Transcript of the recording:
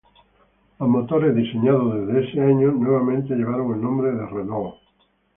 Los motores diseñados desde ese año, nuevamente llevaron el nombre de Renault.